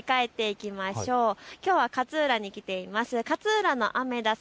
きょうは勝浦に来ています。